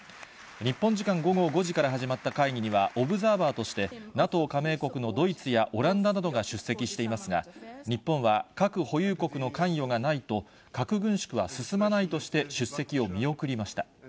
日本時間午後５時から始まった会議には、オブザーバーとして、ＮＡＴＯ加盟国のドイツやオランダなどが出席していますが、日本は核保有国の関与がないと、核軍縮は進まないとして、出席を見送りました。